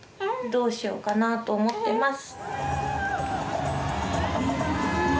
どうしようかなと思ってます。